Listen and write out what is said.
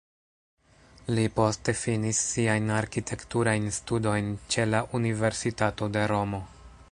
Li poste finis siajn arkitekturajn studojn ĉe la Universitato de Romo.